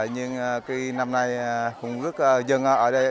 nhưng năm nay cũng rất dân ở đây